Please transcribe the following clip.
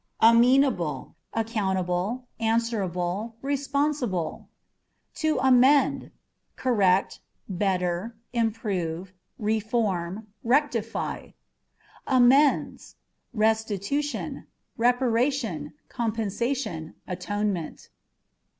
Amenable â€" accountable, answerable, responsible! To Amend â€" correct, better, improve, reform, rectify. Amends â€" restitution, reparation, compensation, atonement.